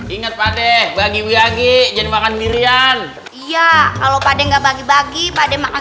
ingat padeh bagi bagi jangan makan dirian iya kalau padeh nggak bagi bagi padeh makan